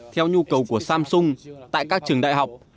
theo nhu cầu của samsung tại các trường đại học